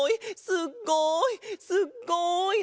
すっごい！